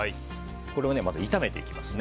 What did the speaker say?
これを炒めていきますね。